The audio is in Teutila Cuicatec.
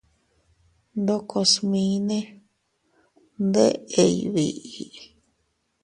Ndoko smine ndeʼey biʼi.